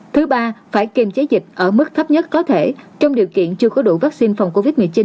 thứ ba phải kiềm chế dịch ở mức thấp nhất có thể trong điều kiện chưa có đủ vaccine phòng covid một mươi chín